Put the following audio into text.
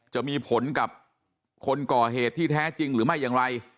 จะมีผลกับคนก่อเหตุที่แท้จริงหรือไม่อย่างไร